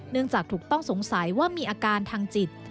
จากถูกต้องสงสัยว่ามีอาการทางจิต